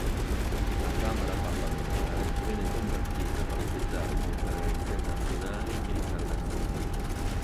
La camera parlamentare venne convertita per ospitare conferenze nazionali e internazionali.